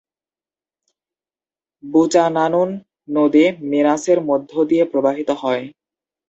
বুচানানুন নদী মেনাসের মধ্য দিয়ে প্রবাহিত হয়।